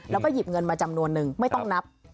แล้วก็หยิบเงินมาจำนวนนึงไม่ต้องนับ